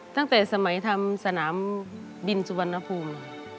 ตั้งแต่สมัยทำสนามบินสุวรรณภูมิ